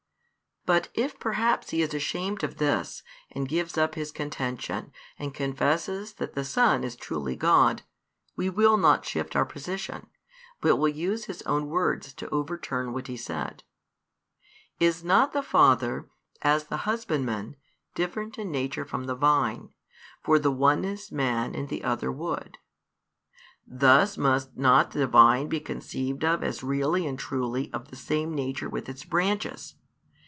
But if perhaps he is ashamed of this, and gives up his contention, and confesses that the Son is truly God, we will not shift our position, but will use his own words to overturn what he said. "Is not the Father, as the Husbandman, different in nature from the vine; for the one is man and the other wood?" Thus must not the vine be conceived of as really and truly of the same nature with its branches?